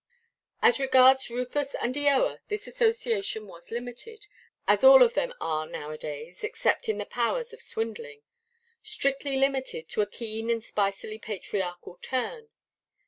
As regards Rufus and Eoa, this association was limited (as all of them are now–a–days, except in their powers of swindling), strictly limited to a keen and spicily patriarchal turn.